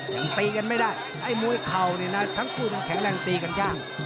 ยังตีกันไม่ได้ไอ้มวยเข่าเนี่ยนะทั้งคู่นั้นแข็งแรงตีกันยาก